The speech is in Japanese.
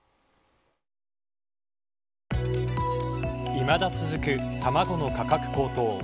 いまだ続く卵の価格高騰。